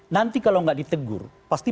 nanti kalau nggak ditegur pasti